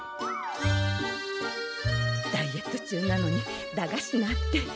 ダイエット中なのに駄菓子なんて。